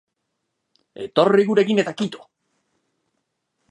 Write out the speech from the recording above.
Etorri gurekin eta kito.